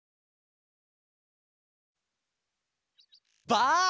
ばあ！